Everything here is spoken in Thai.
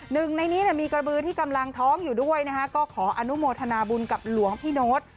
หนึ่งในนี้มีกระบือที่กำลังท้องอยู่ด้วยนะคะก็ขออนุโมทนาบุญกับหลวงพี่โน๊ต